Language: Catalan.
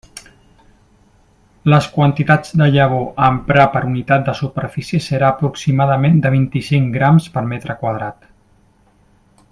Les quantitats de llavor a emprar per unitat de superfície serà aproximadament de vint-i-cinc grams per metre quadrat.